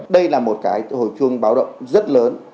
đây là một hồi phương báo động rất lớn